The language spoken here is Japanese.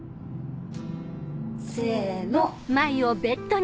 ・せの・